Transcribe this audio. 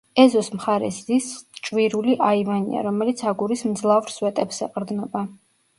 ეზოს მხარეს ზის ჭვირული აივანია, რომელიც აგურის მძლავრ სვეტებს ეყრდნობა.